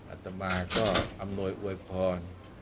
อัตมาก็อำนวยอวยพร